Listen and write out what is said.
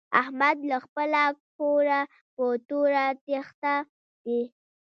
احمد له خپله کوره په توره تېښته دی.